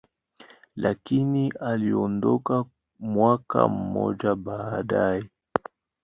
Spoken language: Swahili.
lakini aliondoka mwaka mmoja baadaye.